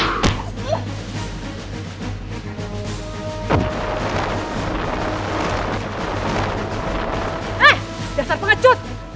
hey dasar pengecut